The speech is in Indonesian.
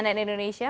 di cnn indonesia